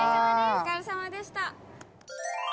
おつかれさまでした。